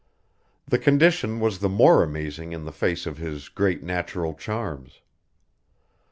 The condition was the more amazing in the face of his great natural charms.